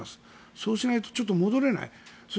そうしないとちょっと戻れない。